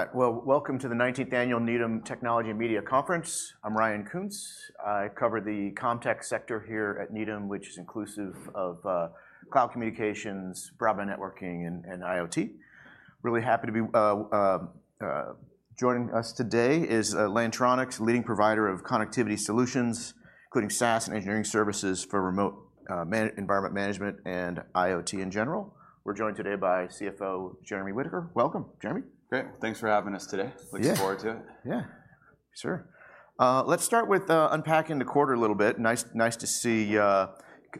All right. Well, welcome to the 19th Annual Needham Technology and Media Conference. I'm Ryan Koontz. I cover the CommTech sector here at Needham, which is inclusive of cloud communications, broadband networking, and IoT. Really happy to be joining us today is Lantronix, leading provider of connectivity solutions, including SaaS and engineering services for remote environment management and IoT in general. We're joined today by CFO Jeremy Whitaker. Welcome, Jeremy. Great. Thanks for having us today. Looking forward to it. Yeah. Sure. Let's start with unpacking the quarter a little bit. Nice to see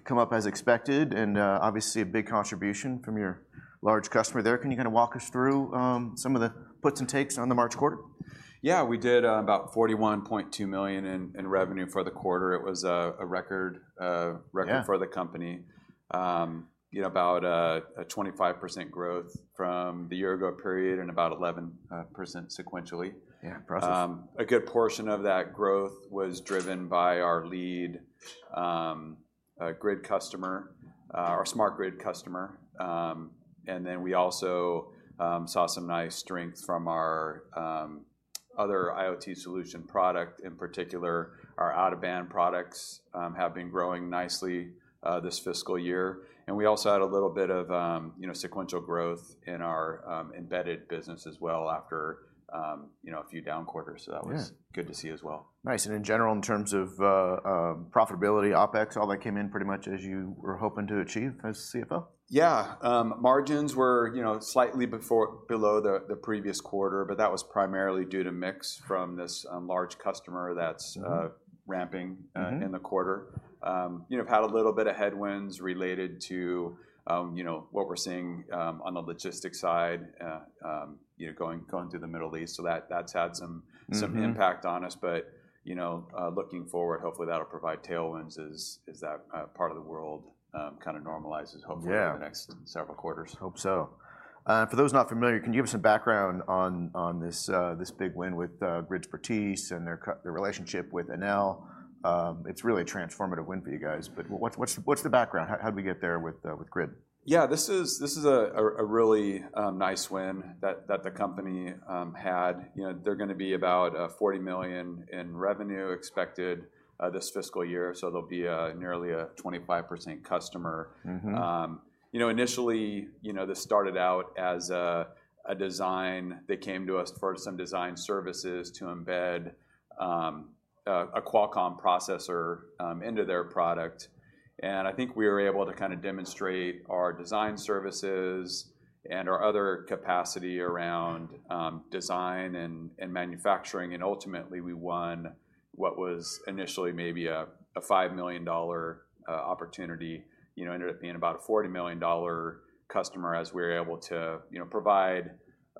come up as expected and obviously a big contribution from your large customer there. Can you kind of walk us through some of the puts and takes on the March quarter? Yeah. We did about $41.2 million in revenue for the quarter. It was a record for the company, about a 25% growth from the year-ago period and about 11% sequentially. A good portion of that growth was driven by our lead grid customer, our smart grid customer. And then we also saw some nice strength from our other IoT solution product. In particular, our Out-of-Band products have been growing nicely this fiscal year. And we also had a little bit of sequential growth in our embedded business as well after a few down quarters. So that was good to see as well. Nice. In general, in terms of profitability, OpEx, all that came in pretty much as you were hoping to achieve as CFO? Yeah. Margins were slightly below the previous quarter, but that was primarily due to mix from this large customer that's ramping in the quarter. We've had a little bit of headwinds related to what we're seeing on the logistics side going through the Middle East. So that's had some impact on us. But looking forward, hopefully that'll provide tailwinds as that part of the world kind of normalizes, hopefully, in the next several quarters. Yeah. Hope so. For those not familiar, can you give us some background on this big win with Gridspertise and their relationship with Enel? It's really a transformative win for you guys. But what's the background? How did we get there with Gridspertise? Yeah. This is a really nice win that the company had. They're going to be about $40 million in revenue expected this fiscal year. So they'll be nearly a 25% customer. Initially, this started out as a design. They came to us for some design services to embed a Qualcomm processor into their product. And I think we were able to kind of demonstrate our design services and our other capacity around design and manufacturing. And ultimately, we won what was initially maybe a $5 million opportunity, ended up being about a $40 million customer as we were able to provide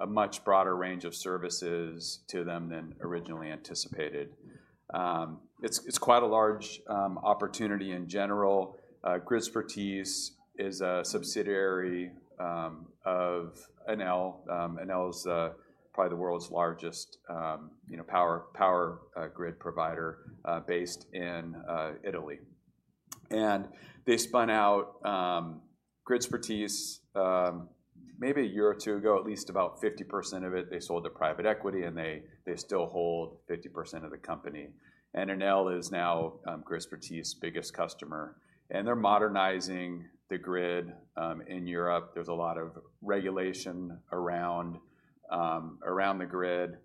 a much broader range of services to them than originally anticipated. It's quite a large opportunity in general. Gridspertise is a subsidiary of Enel. Enel is probably the world's largest power grid provider based in Italy. They spun out Gridspertise maybe a year or two ago, at least about 50% of it. They sold to private equity, and they still hold 50% of the company. Enel is now Gridspertise's biggest customer. They're modernizing the grid in Europe. There's a lot of regulation around the grid.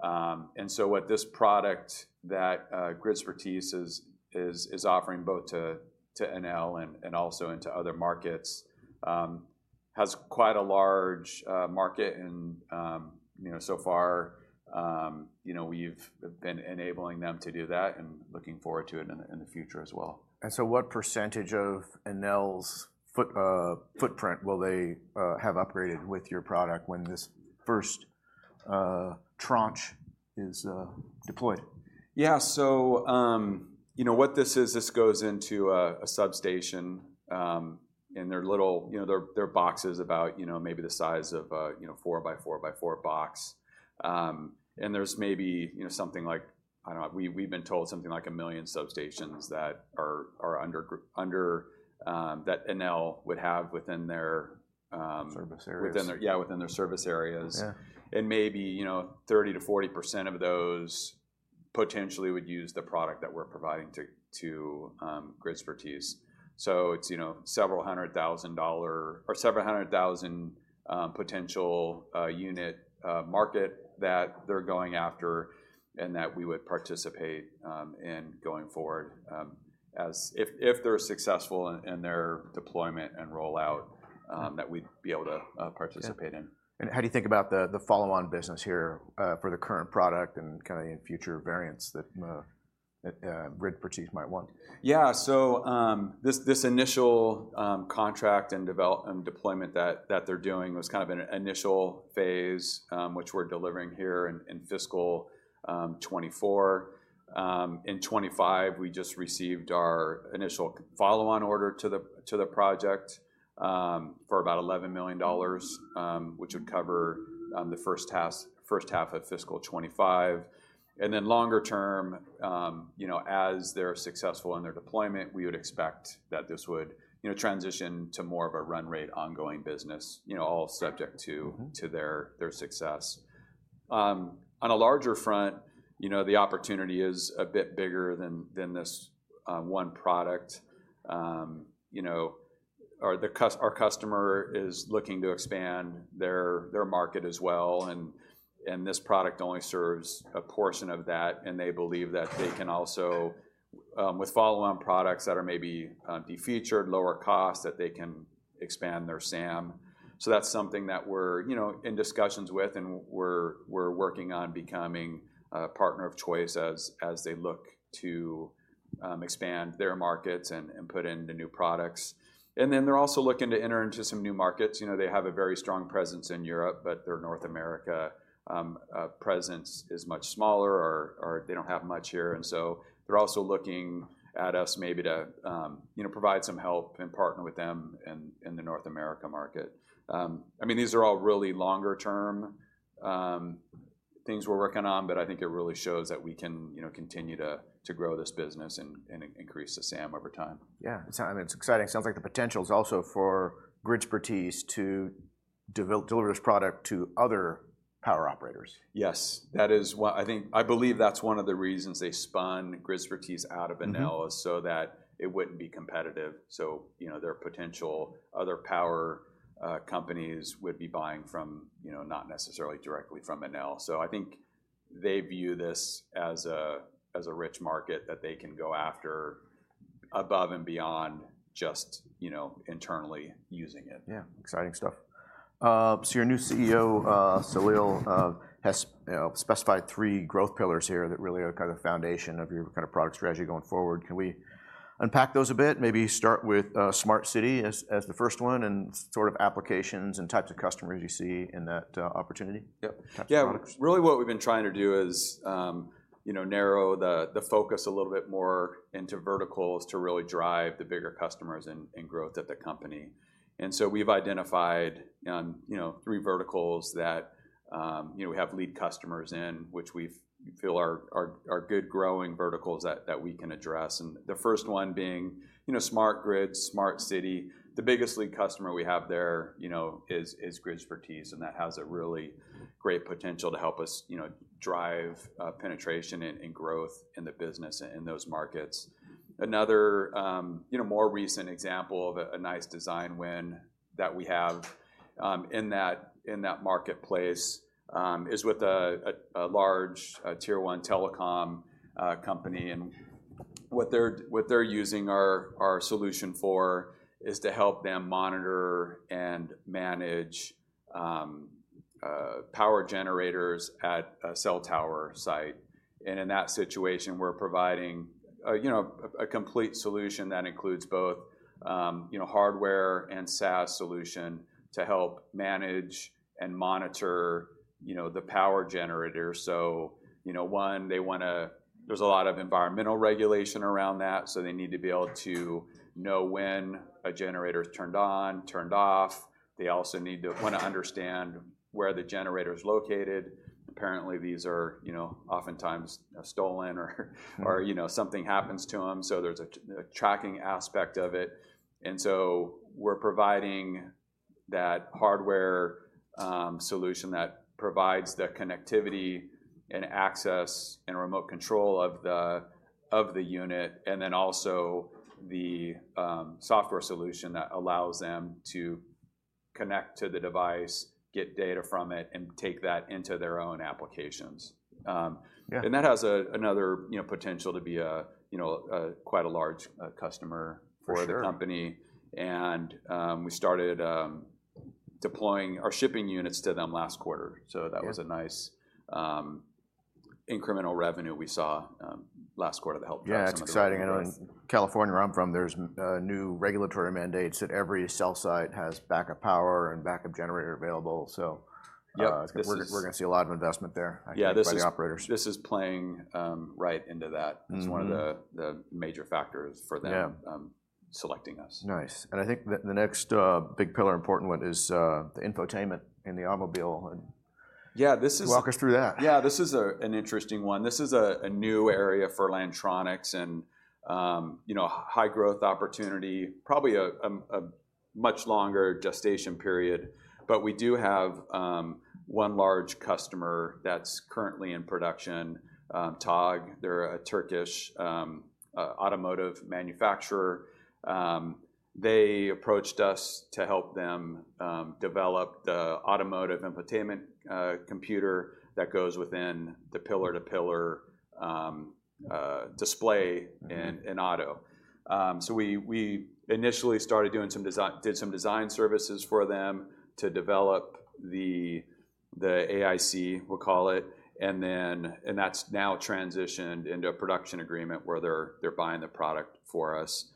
What this product that Gridspertise is offering both to Enel and also into other markets has quite a large market. So far, we've been enabling them to do that and looking forward to it in the future as well. And so what percentage of Enel's footprint will they have upgraded with your product when this first tranche is deployed? Yeah. So what this is, this goes into a substation. And they're little boxes about maybe the size of a 4x4x4 box. And there's maybe something like I don't know. We've been told something like a million substations that Enel would have within their. Service areas. Yeah. Within their service areas. And maybe 30%-40% of those potentially would use the product that we're providing to Gridspertise. So it's several hundred thousand dollar or several hundred thousand potential unit market that they're going after and that we would participate in going forward. If they're successful in their deployment and rollout, that we'd be able to participate in. How do you think about the follow-on business here for the current product and kind of future variants that Gridspertise might want? Yeah. So this initial contract and deployment that they're doing was kind of an initial phase, which we're delivering here in fiscal 2024. In 2025, we just received our initial follow-on order to the project for about $11 million, which would cover the first half of fiscal 2025. And then longer term, as they're successful in their deployment, we would expect that this would transition to more of a run-rate ongoing business, all subject to their success. On a larger front, the opportunity is a bit bigger than this one product. Our customer is looking to expand their market as well. And this product only serves a portion of that. And they believe that they can also, with follow-on products that are maybe defeatured, lower cost, that they can expand their SAM. So that's something that we're in discussions with and we're working on becoming a partner of choice as they look to expand their markets and put in the new products. And then they're also looking to enter into some new markets. They have a very strong presence in Europe, but their North America presence is much smaller, or they don't have much here. And so they're also looking at us maybe to provide some help and partner with them in the North America market. I mean, these are all really longer-term things we're working on, but I think it really shows that we can continue to grow this business and increase the SAM over time. Yeah. I mean, it's exciting. Sounds like the potential is also for Gridspertise to deliver this product to other power operators. Yes. I believe that's one of the reasons they spun Gridspertise out of Enel is so that it wouldn't be competitive. So their potential other power companies would be buying from, not necessarily directly from Enel. So I think they view this as a rich market that they can go after above and beyond just internally using it. Yeah. Exciting stuff. So your new CEO, Saleel, has specified three growth pillars here that really are kind of the foundation of your kind of product strategy going forward. Can we unpack those a bit? Maybe start with Smart City as the first one and sort of applications and types of customers you see in that opportunity? Yep. Yeah. Really, what we've been trying to do is narrow the focus a little bit more into verticals to really drive the bigger customers and growth at the company. So we've identified three verticals that we have lead customers in, which we feel are good growing verticals that we can address. The first one being Smart Grid, Smart City. The biggest lead customer we have there is Gridspertise. That has a really great potential to help us drive penetration and growth in the business in those markets. Another more recent example of a nice design win that we have in that marketplace is with a large tier-one telecom company. What they're using our solution for is to help them monitor and manage power generators at a cell tower site. In that situation, we're providing a complete solution that includes both hardware and SaaS solution to help manage and monitor the power generators. So, one, there's a lot of environmental regulation around that. So they need to be able to know when a generator's turned on, turned off. They also need to want to understand where the generator's located. Apparently, these are oftentimes stolen or something happens to them. So there's a tracking aspect of it. And so we're providing that hardware solution that provides the connectivity and access and remote control of the unit and then also the software solution that allows them to connect to the device, get data from it, and take that into their own applications. And that has another potential to be quite a large customer for the company. And we started deploying our shipping units to them last quarter. That was a nice incremental revenue we saw last quarter that helped drive some of the growth. Yeah. It's exciting. I know in California, where I'm from, there's new regulatory mandates that every cell site has backup power and backup generator available. So we're going to see a lot of investment there, I think, by the operators. Yeah. This is playing right into that as one of the major factors for them selecting us. Nice. And I think the next big pillar, important one, is the infotainment in the automobile. Walk us through that. Yeah. This is an interesting one. This is a new area for Lantronix and high-growth opportunity, probably a much longer gestation period. But we do have one large customer that's currently in production, Togg. They're a Turkish automotive manufacturer. They approached us to help them develop the automotive infotainment computer that goes within the pillar-to-pillar display in auto. So we initially started doing some design services for them to develop the AIC, we'll call it. And that's now transitioned into a production agreement where they're buying the product for us.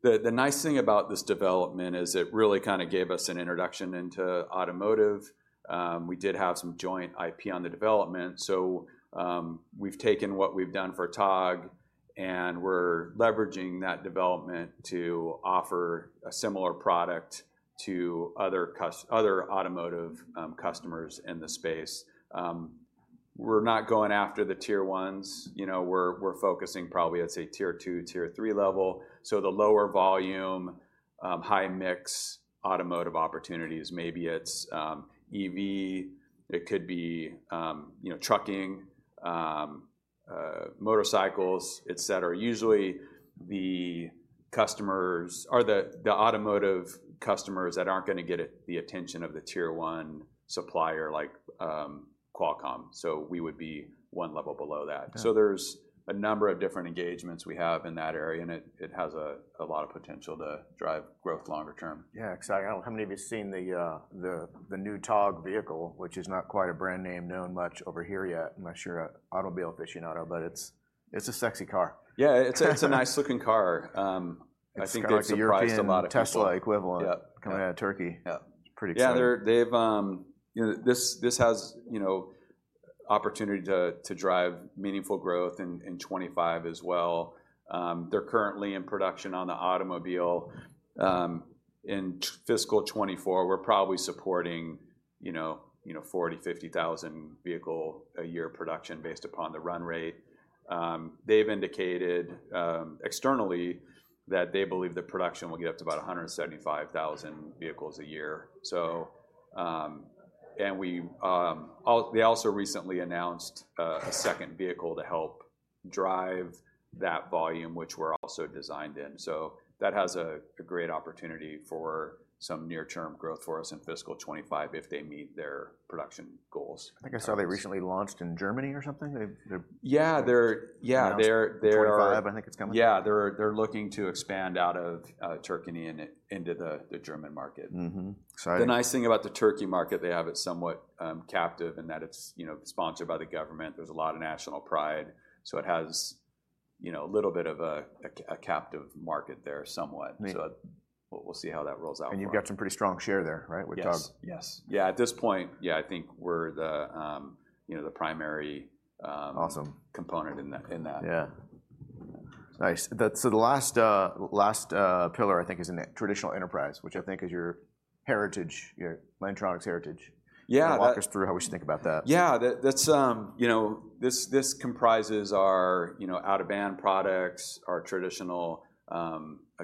The nice thing about this development is it really kind of gave us an introduction into automotive. We did have some joint IP on the development. So we've taken what we've done for Togg, and we're leveraging that development to offer a similar product to other automotive customers in the space. We're not going after the tier ones. We're focusing probably at, say, tier two, tier three level. So the lower volume, high-mix automotive opportunities, maybe it's EV. It could be trucking, motorcycles, etc. Usually, the automotive customers that aren't going to get the attention of the tier one supplier like Qualcomm. So we would be one level below that. So there's a number of different engagements we have in that area. And it has a lot of potential to drive growth longer term. Yeah. Exciting. I don't know how many of you have seen the new Togg vehicle, which is not quite a brand name known much over here yet, unless you're an automobile aficionado. But it's a sexy car. Yeah. It's a nice-looking car. I think they've surprised a lot of people. It's kind of like a Tesla equivalent coming out of Turkey. It's pretty exciting. Yeah. This has opportunity to drive meaningful growth in 2025 as well. They're currently in production on the automobile. In fiscal 2024, we're probably supporting 40,000-50,000 vehicles a year production based upon the run rate. They've indicated externally that they believe the production will get up to about 175,000 vehicles a year. And they also recently announced a second vehicle to help drive that volume, which we're also designed in. So that has a great opportunity for some near-term growth for us in fiscal 2025 if they meet their production goals. I think I saw they recently launched in Germany or something. Yeah. Yeah. In 2025, I think it's coming? Yeah. They're looking to expand out of Turkey into the German market. The nice thing about the Turkey market, they have it somewhat captive in that it's sponsored by the government. There's a lot of national pride. So it has a little bit of a captive market there somewhat. So we'll see how that rolls out for them. You've got some pretty strong share there, right, with Togg? Yes. Yes. Yeah. At this point, yeah, I think we're the primary component in that. Awesome. Yeah. Nice. So the last pillar, I think, is in traditional enterprise, which I think is your heritage, your Lantronix heritage. Walk us through how we should think about that. Yeah. This comprises our Out-of-Band products, our traditional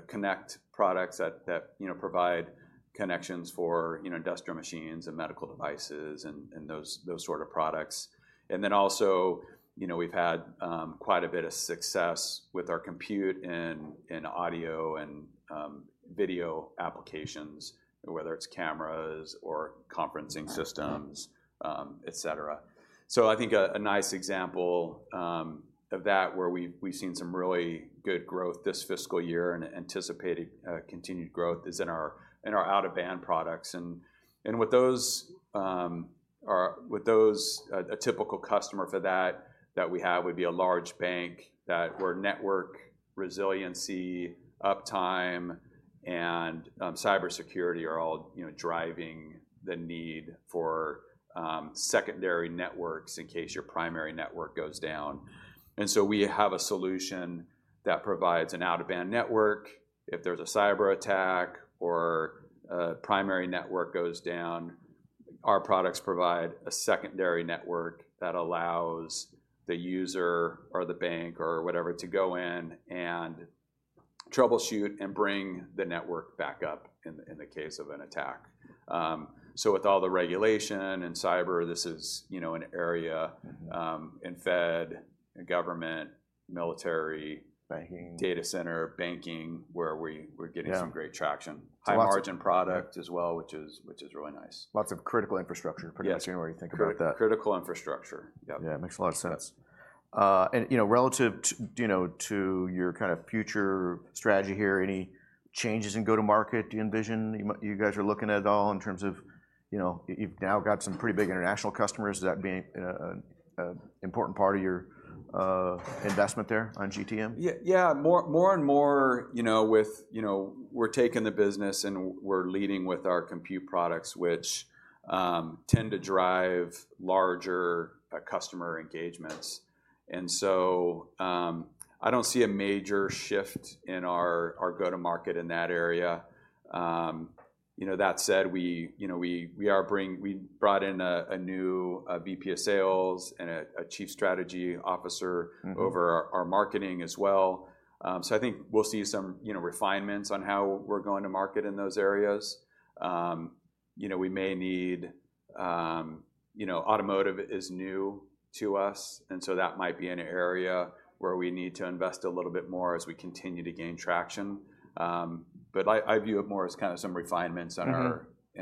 Connect products that provide connections for industrial machines and medical devices and those sort of products. Then also, we've had quite a bit of success with our Compute and audio and video applications, whether it's cameras or conferencing systems, etc. I think a nice example of that where we've seen some really good growth this fiscal year and anticipated continued growth is in our Out-of-Band products. With those, a typical customer for that that we have would be a large bank where network resiliency, uptime, and cybersecurity are all driving the need for secondary networks in case your primary network goes down. So we have a solution that provides an Out-of-Band network if there's a cyber attack or a primary network goes down. Our products provide a secondary network that allows the user or the bank or whatever to go in and troubleshoot and bring the network back up in the case of an attack. So with all the regulation and cyber, this is an area in Fed, government, military, data center, banking where we're getting some great traction. High-margin product as well, which is really nice. Lots of critical infrastructure. I'm pretty interested in what you think about that. Critical infrastructure. Yep. Yeah. It makes a lot of sense. Relative to your kind of future strategy here, any changes in go-to-market do you envision you guys are looking at at all in terms of you've now got some pretty big international customers. Is that being an important part of your investment there on GTM? Yeah. More and more with we're taking the business, and we're leading with our Compute products, which tend to drive larger customer engagements. And so I don't see a major shift in our go-to-market in that area. That said, we brought in a new VP of Sales and a Chief Strategy Officer over our marketing as well. So I think we'll see some refinements on how we're going to market in those areas. We may need automotive is new to us. And so that might be an area where we need to invest a little bit more as we continue to gain traction. But I view it more as kind of some refinements in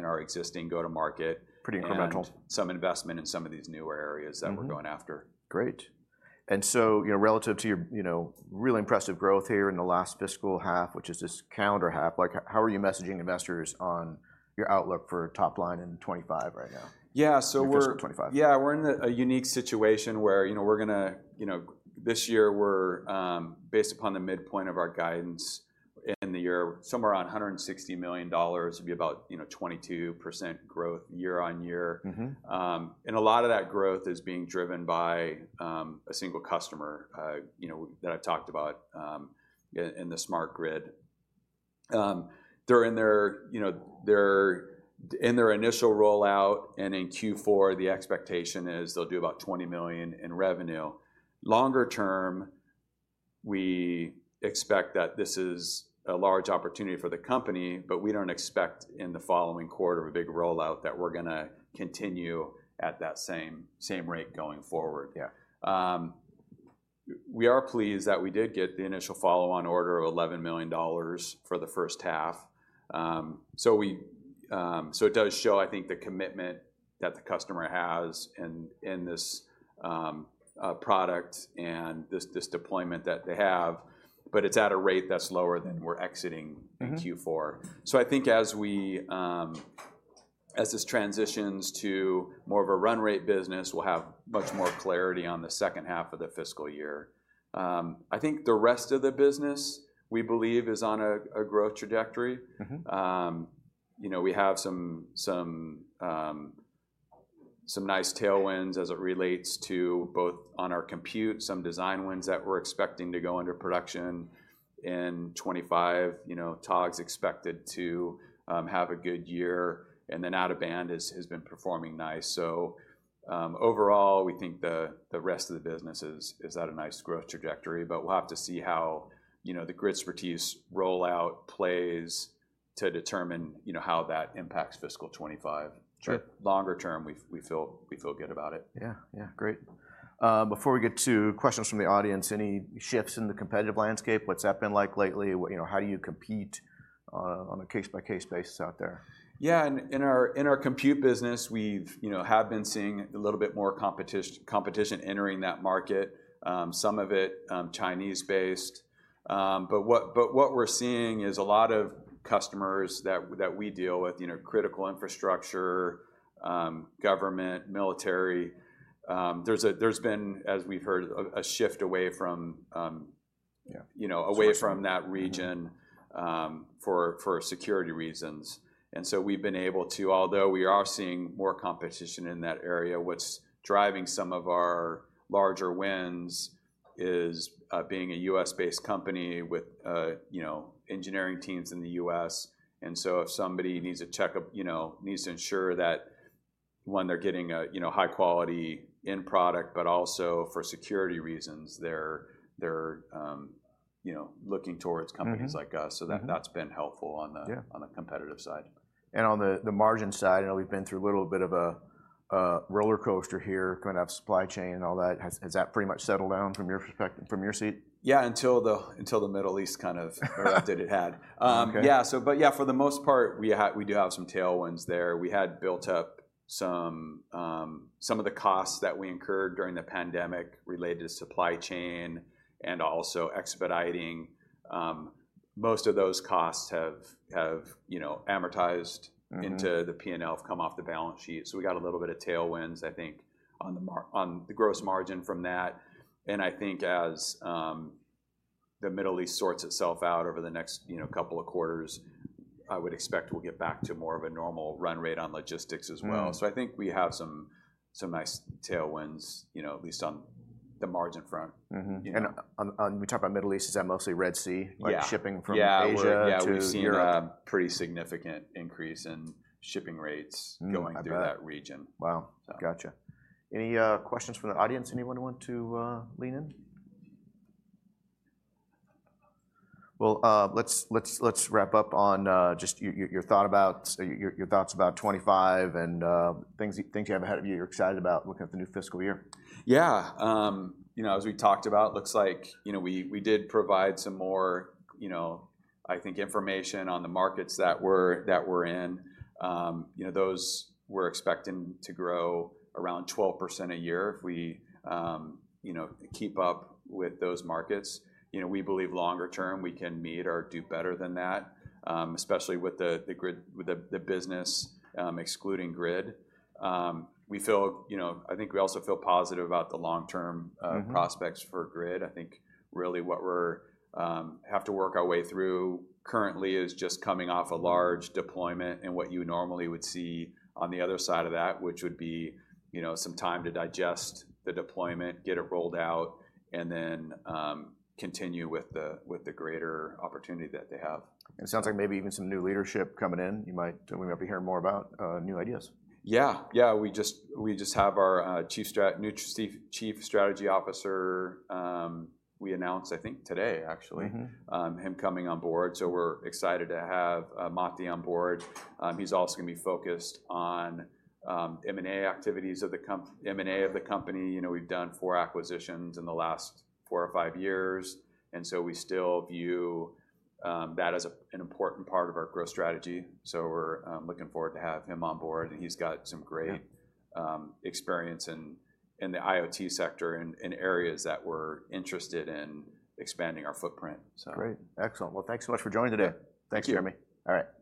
our existing go-to-market. Pretty incremental. Some investment in some of these newer areas that we're going after. Great. And so relative to your really impressive growth here in the last fiscal half, which is this calendar half, how are you messaging investors on your outlook for top line in 2025 right now? Yeah. So we're. In fiscal 2025. Yeah. We're in a unique situation where we're going to this year, based upon the midpoint of our guidance in the year, somewhere around $160 million. It'd be about 22% year-on-year growth. And a lot of that growth is being driven by a single customer that I've talked about in the Smart Grid. They're in their initial rollout. And in Q4, the expectation is they'll do about $20 million in revenue. Longer term, we expect that this is a large opportunity for the company. But we don't expect in the following quarter a big rollout that we're going to continue at that same rate going forward. We are pleased that we did get the initial follow-on order of $11 million for the first half. So it does show, I think, the commitment that the customer has in this product and this deployment that they have. But it's at a rate that's lower than we're exiting in Q4. So I think as this transitions to more of a run-rate business, we'll have much more clarity on the second half of the fiscal year. I think the rest of the business, we believe, is on a growth trajectory. We have some nice tailwinds as it relates to both on our Compute, some design wins that we're expecting to go into production in 2025. Togg's expected to have a good year. And then Out-of-Band has been performing nice. So overall, we think the rest of the business is at a nice growth trajectory. But we'll have to see how the Gridspertise rollout plays to determine how that impacts fiscal 2025. But longer term, we feel good about it. Yeah. Yeah. Great. Before we get to questions from the audience, any shifts in the competitive landscape? What's that been like lately? How do you compete on a case-by-case basis out there? Yeah. In our Compute business, we have been seeing a little bit more competition entering that market, some of it Chinese-based. But what we're seeing is a lot of customers that we deal with, critical infrastructure, government, military, there's been, as we've heard, a shift away from that region for security reasons. And so we've been able to although we are seeing more competition in that area, what's driving some of our larger wins is being a U.S.-based company with engineering teams in the U.S. And so if somebody needs a checkup, needs to ensure that, one, they're getting a high-quality end product, but also for security reasons, they're looking towards companies like us. So that's been helpful on the competitive side. On the margin side, I know we've been through a little bit of a roller coaster here, going to have supply chain and all that. Has that pretty much settled down from your seat? Yeah. Until the Middle East kind of erupted, it had. Yeah. But yeah, for the most part, we do have some tailwinds there. We had built up some of the costs that we incurred during the pandemic related to supply chain and also expediting. Most of those costs have amortized into the P&L, have come off the balance sheet. So we got a little bit of tailwinds, I think, on the gross margin from that. And I think as the Middle East sorts itself out over the next couple of quarters, I would expect we'll get back to more of a normal run rate on logistics as well. So I think we have some nice tailwinds, at least on the margin front. When you talk about Middle East, is that mostly Red Sea, like shipping from Asia to Europe? Yeah. We've seen a pretty significant increase in shipping rates going through that region. Wow. Gotcha. Any questions from the audience? Anyone want to lean in? Well, let's wrap up on just your thoughts about 2025 and things you have ahead of you, you're excited about looking at the new fiscal year. Yeah. As we talked about, it looks like we did provide some more, I think, information on the markets that we're in. Those we're expecting to grow around 12% a year if we keep up with those markets. We believe longer term, we can meet or do better than that, especially with the business excluding grid. We feel I think we also feel positive about the long-term prospects for grid. I think really what we have to work our way through currently is just coming off a large deployment and what you normally would see on the other side of that, which would be some time to digest the deployment, get it rolled out, and then continue with the greater opportunity that they have. It sounds like maybe even some new leadership coming in. We might be hearing more about new ideas. Yeah. Yeah. We just have our Chief Strategy Officer, we announced, I think, today, actually, him coming on board. So we're excited to have Mathi on board. He's also going to be focused on M&A activities of the company. We've done four acquisitions in the last four or five years. And so we still view that as an important part of our growth strategy. So we're looking forward to have him on board. And he's got some great experience in the IoT sector in areas that we're interested in expanding our footprint, so. Great. Excellent. Well, thanks so much for joining today. Thanks, Jeremy. Thank you. All right.